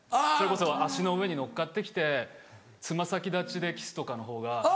それこそ足の上に乗っかって来て爪先立ちでキスとかのほうが。